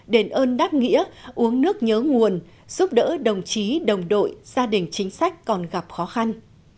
đền ơn đáp nghĩa uống nước nhớ nguồn giúp đỡ đồng chí đồng đội gia đình chính sách còn gặp khó khăn